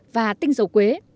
và tinh dầu quế